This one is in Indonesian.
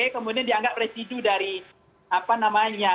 kemudian dianggap residu dari apa namanya